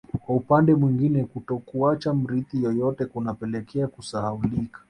Kwa upande mwingine kutokuacha mrithi yeyote kunapelekea kusahaulika